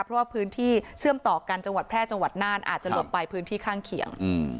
เพราะว่าพื้นที่เชื่อมต่อกันจังหวัดแพร่จังหวัดน่านอาจจะหลบไปพื้นที่ข้างเคียง